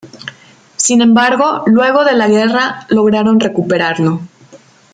Sin embargo, luego de la guerra lograron recuperarlo.